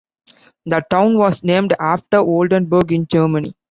The town was named after Oldenburg, in Germany.